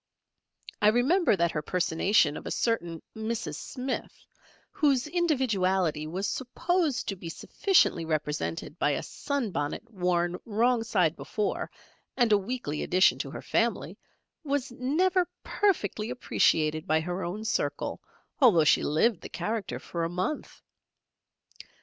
I remember that her personation of a certain Mrs. Smith, whose individuality was supposed to be sufficiently represented by a sun bonnet worn wrong side before and a weekly addition to her family, was never perfectly appreciated by her own circle although she lived the character for a month.